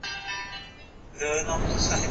زه بايد اوبه پاک کړم!.